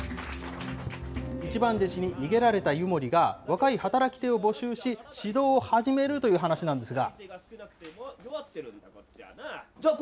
一番弟子に逃げられた湯守が、若い働き手を募集し、指導を始めるという話なんですが。